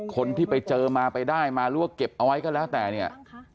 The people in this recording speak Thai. คนที่ไปเจอมาไปได้มาหรือว่าเก็บเอาไว้ก็แล้วแต่เนี่ย